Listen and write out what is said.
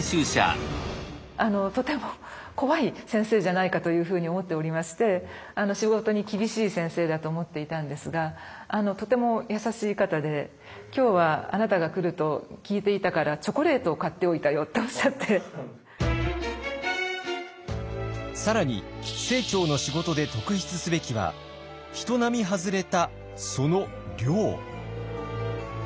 とても怖い先生じゃないかというふうに思っておりまして仕事に厳しい先生だと思っていたんですがとても優しい方で今日はあなたが来ると聞いていたから更に清張の仕事で特筆すべきは人並み外れたその量。